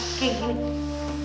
pasti udah pasang aja ya